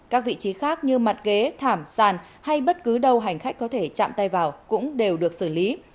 các vị trí khác như mặt ghế thảm sàn hay bất cứ đâu hành khách có thể chạm tay vào cũng đều được xử lý